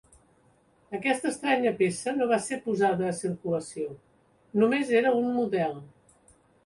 Aquesta estranya peça no va ser posada a circulació, només era un model.